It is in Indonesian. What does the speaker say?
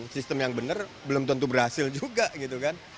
sistem yang benar belum tentu berhasil juga gitu kan